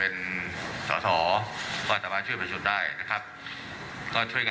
ผมต้องมีคุณอยู่ในน้ำใส่พูดด้วยค่ะ